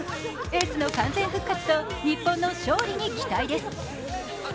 エースの完全復活と日本の勝利に期待です。